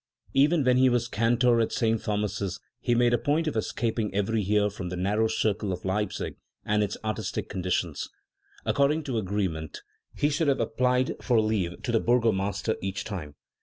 Even when he was cantor at St. Thomas's he made a point of escaping every year from the narrow circle of Leipzig and its artistic conditions. According to agree ment, he should have applied for leave to the Burgomaster each time.